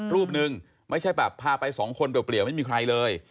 รูปหนึ่งไม่ใช่แบบพาไปสองคนเปลี่ยวไม่มีใครเลย